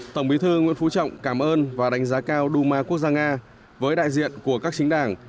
tổng bí thư nguyễn phú trọng cảm ơn và đánh giá cao duma quốc gia nga với đại diện của các chính đảng